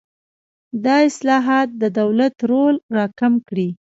دا اصلاحات د دولت رول راکم کړي.